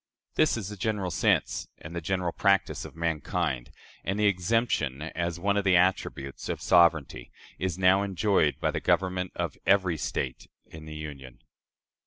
This is the general sense and the general practice of mankind; and the exemption, as one of the attributes of sovereignty, is now enjoyed by the government of every State in the Union."